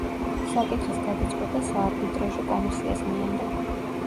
საკითხის გადაწყვეტა საარბიტრაჟო კომისიას მიენდო.